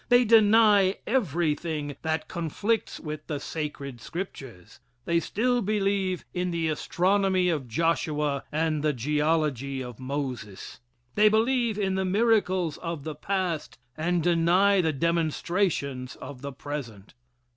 They deny everything that conflicts with the "sacred Scriptures." They still believe in the astronomy of Joshua and the geology of Moses. They believe in the miracles of the past, and deny the demonstrations of the present.